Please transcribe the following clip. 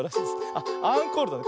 あっアンコールだね。